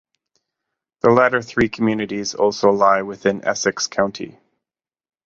The latter three communities also lie within Essex County.